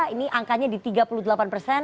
ini angkanya di tiga puluh delapan persen